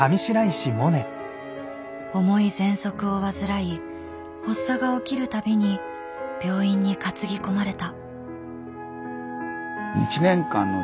重いぜんそくを患い発作が起きる度に病院に担ぎ込まれた。